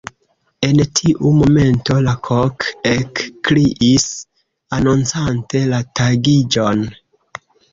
En tiu momento la kok ekkriis, anoncante la tagiĝon.